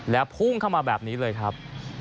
แล้วพุ่งเข้ามาแบบนี้เลยครับ